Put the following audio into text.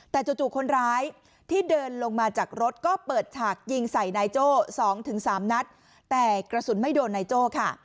แต่จู่คนร้ายที่เดินลงมาจากรถก็เปิดฉากยิงใส่นายโจ้๒๓นัดแต่กระสุนไม่โดนนายโจ้ค่ะ